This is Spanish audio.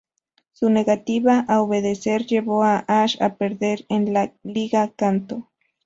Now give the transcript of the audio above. Su negativa a obedecer, llevo a Ash a perder en la Liga Kanto.